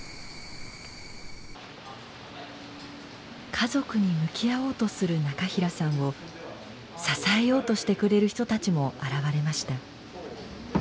家族に向き合おうとする中平さんを支えようとしてくれる人たちも現れました。